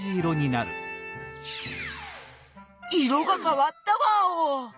色がかわったワオ！